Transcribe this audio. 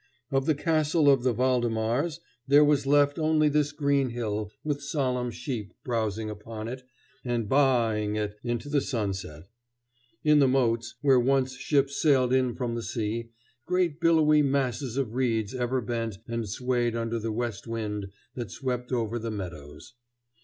Of the castle of the Valdemars there was left only this green hill with solemn sheep browsing upon it and ba a a ing into the sunset. In the moats, where once ships sailed in from the sea, great billowy masses of reeds ever bent and swayed under the west wind that swept over the meadows.